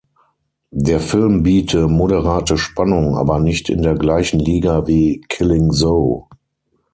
Der Film biete "„moderate Spannung“", aber nicht in der gleichen Liga wie "Killing Zoe".